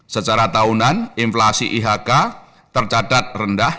secara tahunan inflasi ihk tercatat rendah